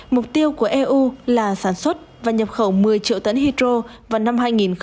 mục tiêu của eu là sản xuất và nhập khẩu một mươi triệu tấn hydro vào năm hai nghìn ba mươi